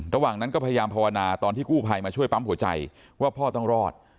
ระหว่างนั้นก็พยายามภาวนาตอนที่กู้ภัยมาช่วยปั๊มหัวใจว่าพ่อต้องรอด